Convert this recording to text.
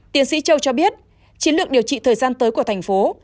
tiến sĩ châu cho biết chiến lược điều trị thời gian tới của thành phố